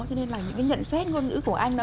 cho nên là những cái nhận xét ngôn ngữ của anh